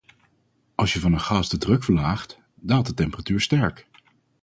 Als je van een gas de druk verlaagt, daalt de temperatuur sterk.